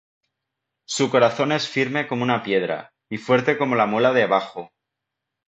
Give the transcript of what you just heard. Su corazón es firme como una piedra, Y fuerte como la muela de abajo.